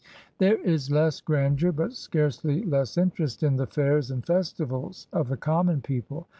There is less grandeur, but scarcely less interest, in the fairs and festivals of the common people.